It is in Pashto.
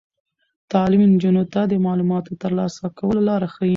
تعلیم نجونو ته د معلوماتو د ترلاسه کولو لار ښيي.